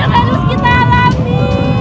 harus kita alami